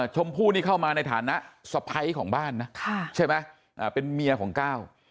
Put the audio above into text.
ชมพู่นี่เข้ามาในฐานะสะพ้ายของบ้านนะใช่ไหมเป็นเมียของก้าว